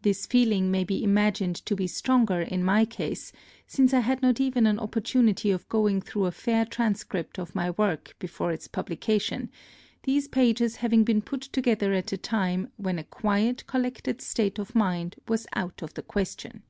This feeling may be imagined to be stronger in my case, since I had not even an opportunity of going through a fair transcript of my work before its publication, these pages having been put together at a time when a quiet, collected state of mind was out of the question.